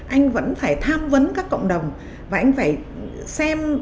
anh vẫn phải tham vấn các cộng đồng và anh phải xem